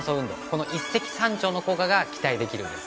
この一石三鳥の効果が期待できるんです。